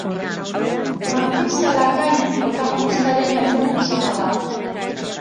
Martin Zalakain protagonistaren aiton-osaba da.